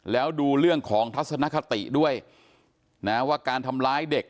แล้วดูเรื่องของทัศนคติด้วยนะว่าการทำร้ายเด็ก